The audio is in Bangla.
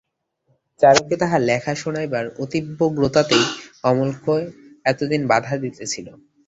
চারুকে তাহার লেখা শোনাইবার অতিব্যগ্রতাতেই অমলকে এতদিন বাধা দিতেছিল।